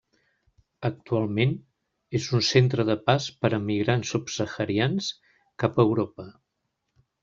Actualment és un centre de pas per emigrants subsaharians cap a Europa.